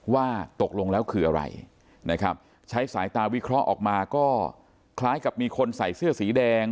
ว่าตกลงแล้วคืออะไรนะครับใช้สายตาวิเคราะห์ออกมาก็คล้ายกับมีคนใส่เสื้อสีแดง